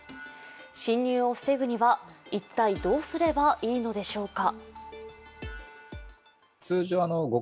侵入を防ぐには一体どうすればいいのでしょうか。